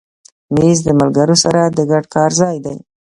مېز د ملګرو سره د ګډ کار ځای دی.